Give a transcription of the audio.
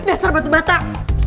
dasar batu batak